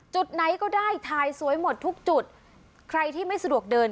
จุดไหนก็ได้ถ่ายสวยหมดทุกจุดใครที่ไม่สะดวกเดิน